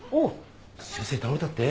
先生倒れたって？